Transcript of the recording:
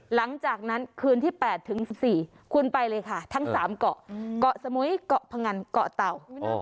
หลังจากนั้นคืนที่๘ถึง๑๔คุณไปเลยค่ะทั้ง๓เกาะเกาะสมุยเกาะพงันเกาะเตา